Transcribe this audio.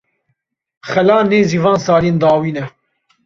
Xela nêzî van salên dawîn e.